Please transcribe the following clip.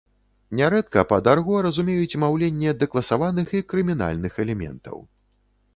Нярэдка пад арго разумеюць маўленне дэкласаваных і крымінальных элементаў.